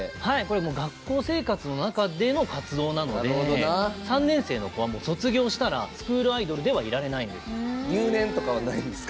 学校生活の中での活動なので３年生の子は卒業したらスクールアイドルでは留年とかはないんですか？